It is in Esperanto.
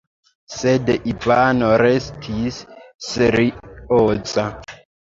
Sed Ivano restis serioza.